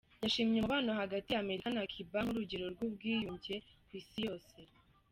Yashimye umubano hagati ya Amerika na Cuba nk’urugero rw’ubwiyunge ku isi yose.